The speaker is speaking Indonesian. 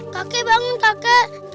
kakek bangun kakek